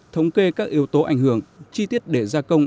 thống kê các yếu tố ảnh hưởng chi tiết để gia công